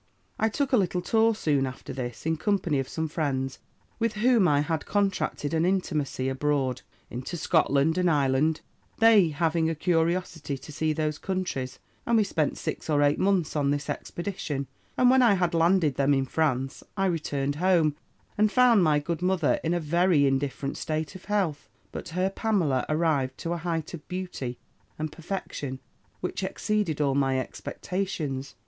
"I took a little tour soon after this in company of some friends, with whom I had contracted an intimacy abroad, into Scotland and Ireland, they having a curiosity to see those countries, and we spent six or eight months on this expedition; and when I had landed them in France, I returned home, and found my good mother in a very indifferent state of health, but her Pamela arrived to a height of beauty and perfection which exceeded all my expectations.